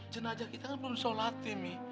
jenajah kita kan belum sholat ini